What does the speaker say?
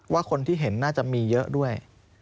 คนที่เห็นน่าจะมีเยอะด้วย